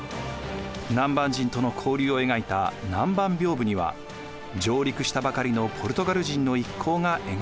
南蛮人との交流を描いた南蛮屏風には上陸したばかりのポルトガル人の一行が描かれています。